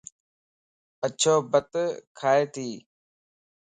اڇو بت کائينتي